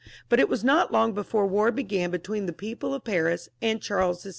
But it was not long before war began between the people of Paris and Charles VI.